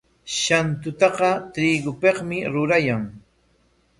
Sankutaqa trigopikmi rurayan.